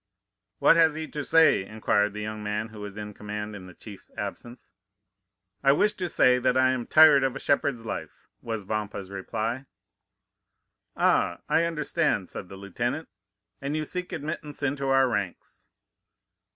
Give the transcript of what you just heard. "'What has he to say?' inquired the young man who was in command in the chief's absence. "'I wish to say that I am tired of a shepherd's life,' was Vampa's reply. "'Ah, I understand,' said the lieutenant; 'and you seek admittance into our ranks?